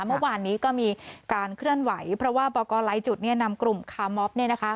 เมื่อวานนี้ก็มีการเคลื่อนไหวเพราะว่าบไลจุดนำกลุ่มคามอฟ